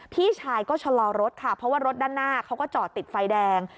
พี่ชายก็ชะลอรถค่ะเพราะว่ารถด้านหน้าเขาก็จอดติดไฟแดง